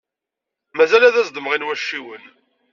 Mazal ad as-d-mɣin wacciwen.